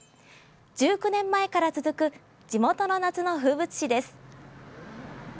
１９年前から続く地元の夏の風物詩です。